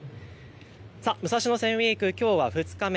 武蔵野線ウイーク、きょうは２日目。